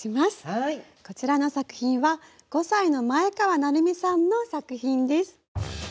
こちらの作品は５歳の前川就海さんの作品です。